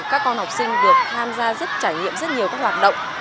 các con học sinh được tham gia rất trải nghiệm rất nhiều các hoạt động